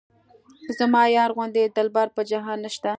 زما یار غوندې دلبر په جهان نشته.